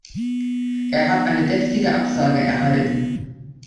Er hat eine deftige Absage erhalten.